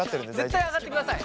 絶対上がってください。